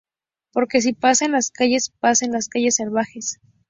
Porque si pasa en las calles, pasa en Calles Salvajes".